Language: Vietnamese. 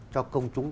cho công chúng